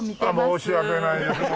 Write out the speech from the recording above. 申し訳ないですもう。